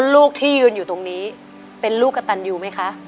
ลูกที่ยืนอยู่ตรงนี้เป็นลูกกระตันยูไหมคะ